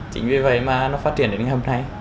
chính vì vậy mà nó phát triển đến ngày hôm nay